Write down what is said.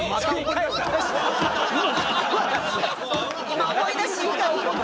今思い出し怒り。